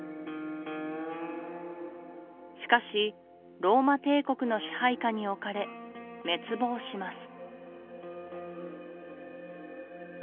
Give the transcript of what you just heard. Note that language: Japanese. しかしローマ帝国の支配下におかれ滅亡します